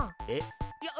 えっ？